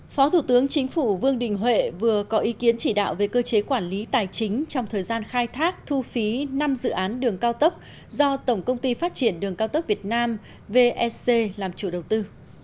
phó thủ tướng chính phủ vương đình huệ vừa có ý kiến chỉ đạo về cơ chế quản lý tài chính trong thời gian khai thác thu phí năm dự án đường cao tốc do tổng công ty phát triển đường cao tốc việt nam vec làm chủ đầu tư